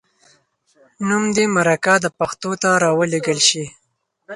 نوم دې مرکه د پښتو ته راولیږل شي.